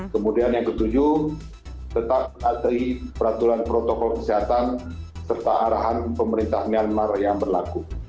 kemudian yang ketujuh tetap atuhi peraturan protokol kesehatan serta arahan pemerintah myanmar yang berlaku